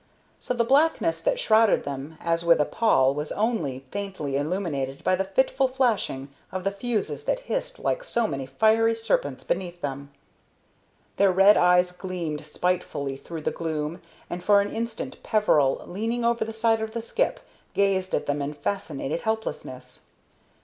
So the blackness that shrouded them as with a pall was only faintly illumined by the fitful flashing of the fuses that hissed like so many fiery serpents beneath them. Their red eyes gleamed spitefully through the gloom, and for an instant Peveril, leaning over the side of the skip, gazed at them in fascinated helplessness.